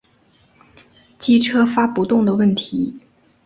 机车发不动的问题